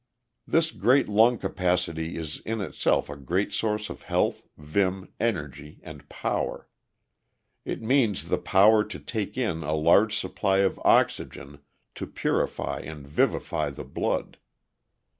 This great lung capacity is in itself a great source of health, vim, energy, and power. It means the power to take in a larger supply of oxygen to purify and vivify the blood.